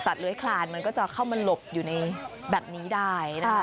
เลื้อยคลานมันก็จะเข้ามาหลบอยู่ในแบบนี้ได้นะคะ